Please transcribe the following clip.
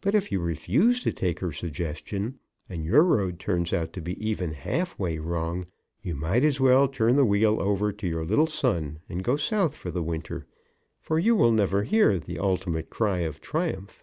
But if you refuse to take her suggestion, and your road turns out to be even halfway wrong, you might as well turn the wheel over to your little son and go South for the winter, for you will never hear the ultimate cry of triumph.